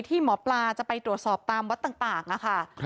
ที่หมอปลาจะไปตรวจสอบตามวัดต่างนะคะ